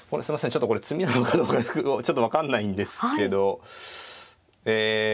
ちょっとこれ詰みなのかどうかちょっと分かんないんですけどえ